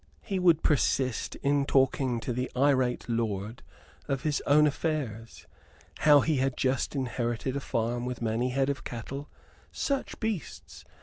He would persist in talking to the irate lord of his own affairs: how he had just inherited a farm with many head of cattle such beasts!